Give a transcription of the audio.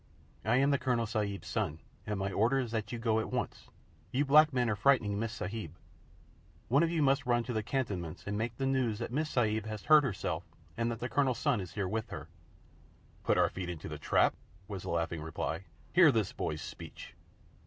"I am the Colonel Sahib's son, and my order is that you go at once. You black men are frightening the Miss Sahib. One of you must run into cantonments and take the news that Miss Sahib has hurt herself, and that the Colonel's son is here with her." "Put our feet into the trap?" was the laughing reply. "Hear this boy's speech!"